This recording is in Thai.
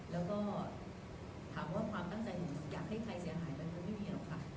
แล้วก็ถามว่าความตั้งใจอยากให้ใครเสียหายมันไม่มีหรอกค่ะ